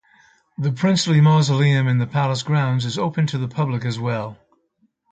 The Princely Mausoleum in the palace grounds is open to the public as well.